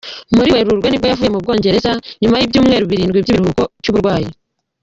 Muri Werurwe nibwo yavuye mu Bwongereza nyuma y’ibyumweru birindwi by’ikiruhuko cy’uburwayi.